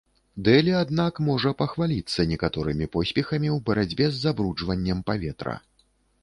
Дэлі, аднак, можа пахваліцца некаторымі поспехамі ў барацьбе з забруджваннем паветра.